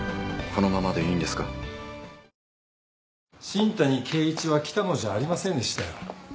新谷啓一は喜多野じゃありませんでしたよ。